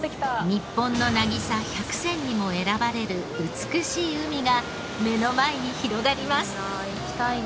日本の渚１００選にも選ばれる美しい海が目の前に広がります。